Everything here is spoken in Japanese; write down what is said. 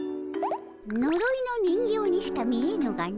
のろいの人形にしか見えぬがの。